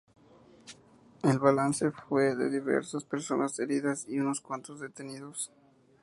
El balance fue de diversas personas heridas y unos cuantos detenidos.